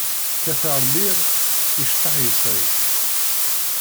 Kkateɣ llir, iceṭṭaḥ yesɣi.